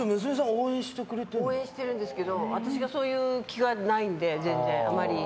応援してくれてるんですけど私がそういう気がないので全然、あんまり。